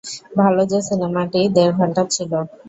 ভালো যে সিনেমাটি দের ঘন্টার ছিল।